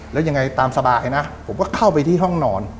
แล้วยังไงตามสบายนะผมก็เข้าไปที่ห้องนอน